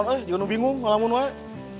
kenapa kenapa bingung